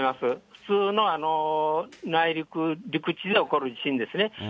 普通の内陸、陸地で起こる地震ですね。